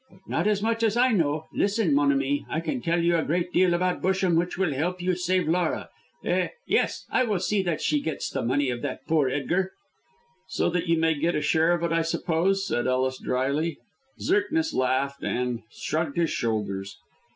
"But not as much as I know. Listen, mon ami. I can tell you a great deal about Busham which will help you to save Laura. Eh, yes, I will see that she gets the money of that poor Edgar." "So that you may get a share of it, I suppose?" said Ellis, drily. Zirknitz laughed and shrugged his shoulders.